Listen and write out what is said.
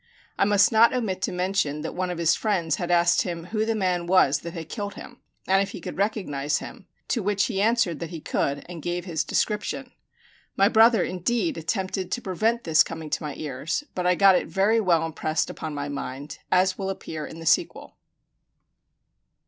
I must not omit to mention that one of his friends had asked him who the man was that had killed him, and if he could recognize him; to which he answered that he could, and gave his description. My brother indeed attempted to prevent this coming to my ears; but I got it very well impressed upon my mind, as will appear in the sequel.